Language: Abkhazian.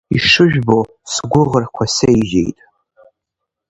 Ишыжәбо, сгәыӷрақәа сеижьеит.